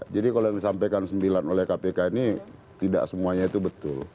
kalau yang disampaikan sembilan oleh kpk ini tidak semuanya itu betul